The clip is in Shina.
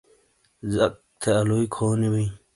ذک تھے الوئی کھونی بئی